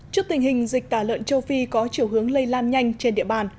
trước tình hình dịch tả lợn châu phi có chiều hướng lây lan nhanh trên địa bàn